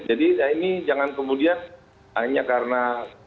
jadi ini jangan kemudian hanya karena